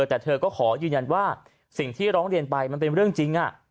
แต่เธอก็ขอยืนยันว่าสิ่งที่ร้องเรียนไปมันเป็นเรื่องจริง